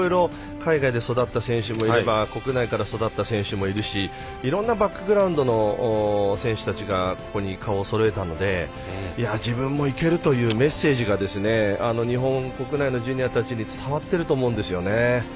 海外で育った選手もいれば国内から育った選手もいるしいろいろなバックグラウンドの選手たちが顔をそろえたので自分もいけるというメッセージが日本国内のジュニアたちに伝わっていると思うんですよね。